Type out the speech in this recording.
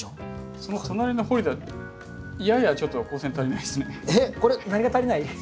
その隣のホリダややちょっと光線足りないですね。